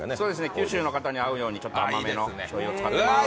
九州の方に合うようにちょっと甘めのしょうゆを使ってます。